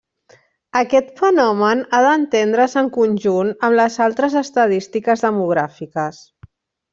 Aquest fenomen ha d'entendre's en conjunt amb les altres estadístiques demogràfiques.